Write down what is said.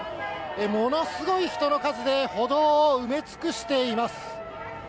ものすごい人の数で歩道を埋め尽くしています。